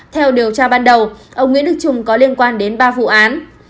theo điều tra ban đầu ông nguyễn đức trung có liên quan đến ba vụ án